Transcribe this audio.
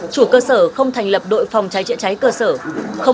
chủ cơ sở không thành lập đội phòng cháy chữa cháy cơ sở